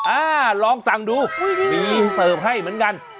อ่าลองสั่งดูมีเสิร์ฟให้เหมือนกัน